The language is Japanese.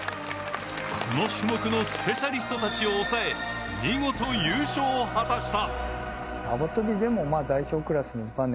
この種目のスペシャリストたちを抑え、見事優勝を果たした。